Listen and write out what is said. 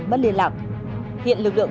mất liên lạc hiện lực lượng